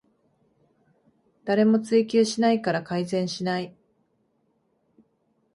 誰も追及しないから改善しない